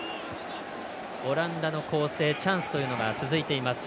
オランダの攻勢チャンスというのが続いています。